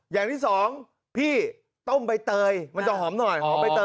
อย่างที่สองพี่ต้มไปเตยมันจะหอมหน่อย